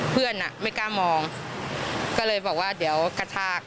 เพื่อนไม่กล้ามองก็เลยบอกว่าเดี๋ยวกระชาก